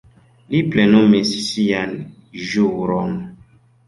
Li plenumis sian ĵuron.